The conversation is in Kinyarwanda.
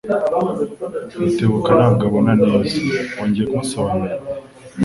Rutebuka ntabwo abibona neza. Wongeye kumusobanurira?